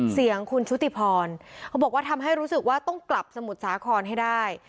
เสียงคุณชุติพรเขาบอกว่าทำให้รู้สึกว่าต้องกลับสมุทรสาครให้ได้